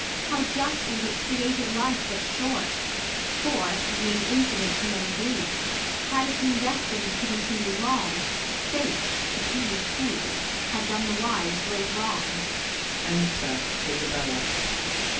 How justly it created life but short ; For, being incident to many griefs, Had it been destin'd to continue long. Fate, to please fools, had done the wise great wrong.